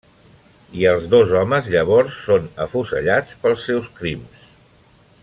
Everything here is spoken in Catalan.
I els dos homes llavors són afusellats pels seus crims.